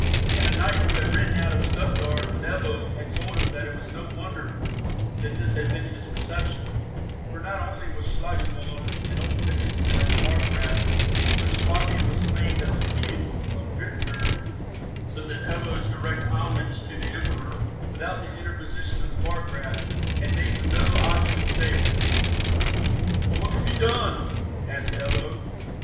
And a knight who had ridden out of Stuttgard with Ebbo had told him that it was no wonder that this had been his reception, for not only was Schlangenwald an old intimate of the Markgraf, but Swabia was claimed as a fief of Wurtemburg, so that Ebbo's direct homage to the Emperor, without the interposition of the Markgraf, had made him no object of favour. "What could be done?" asked Ebbo.